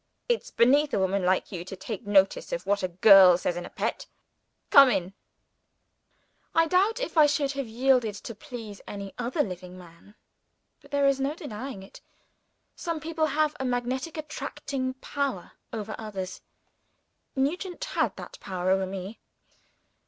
It's beneath a woman like you to take notice of what a girl says in a pet. Come in!" I doubt if I should have yielded to please any other living man. But, there is no denying it, some people have a magnetic attracting power over others. Nugent had that power over me.